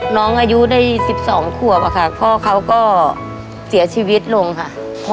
น้องอายุได้๑๒ขวบค่ะพ่อเขาก็เสียชีวิตลงค่ะ